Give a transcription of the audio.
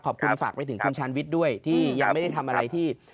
ขอบคุณฝากไปถึงคุณชาญวิทย์ด้วยที่ยังไม่ได้ทำอะไรที่